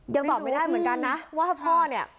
ตอบไม่ได้เหมือนกันนะว่าพ่อเนี่ย